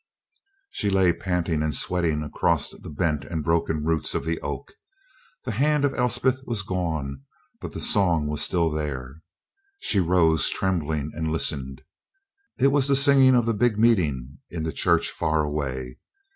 She lay panting and sweating across the bent and broken roots of the oak. The hand of Elspeth was gone but the song was still there. She rose trembling and listened. It was the singing of the Big Meeting in the church far away.